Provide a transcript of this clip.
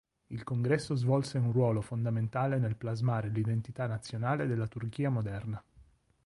Il congresso svolse un ruolo fondamentale nel plasmare l'identità nazionale della Turchia moderna.